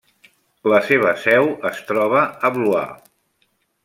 La seva seu es troba a Blois.